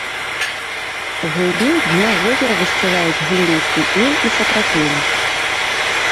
Глыбей дно возера высцілаюць гліністы іл і сапрапелі.